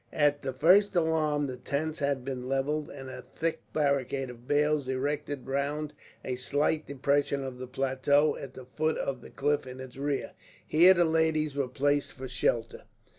At the first alarm the tents had all been levelled; and a thick barricade of bales erected, round a slight depression of the plateau at the foot of the cliff in its rear. Here the ladies were placed, for shelter.